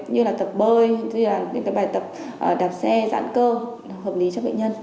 như là tập bơi như là những bài tập đạp xe giãn cơ hợp lý cho bệnh nhân